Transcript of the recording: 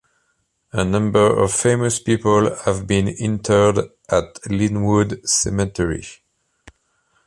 A number of famous people have been interred at Linwood Cemetery.